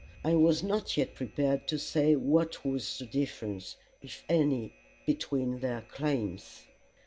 I was not yet prepared to say what was the difference, if any, between their claims.